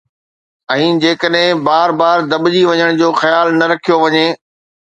۽ جيڪڏهن بار بار دٻجي وڃڻ جو خيال نه رکيو وڃي